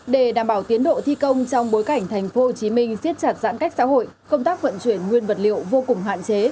để đảm bảo tiến độ thi công trong bối cảnh tp hcm siết chặt giãn cách xã hội công tác vận chuyển nguyên vật liệu vô cùng hạn chế